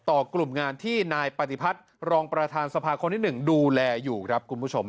กลุ่มงานที่นายปฏิพัฒน์รองประธานสภาคนที่๑ดูแลอยู่ครับคุณผู้ชม